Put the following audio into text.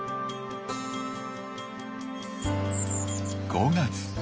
５月。